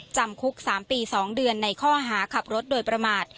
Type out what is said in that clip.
จำคุก๓ปี๒เดือนในข้อหาขับรถโดยประมาท